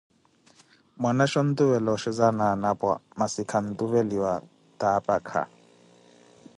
Mwanaxha ontuvela oxheza na anapwa, masi khantuveliwa ni apakha.